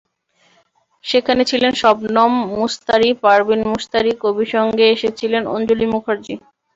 সেখানে ছিলেন শবনম মুশতারি, পারভিন মুশতারি, কবির সঙ্গে এসেছিলেন অঞ্জলি মুখার্জি।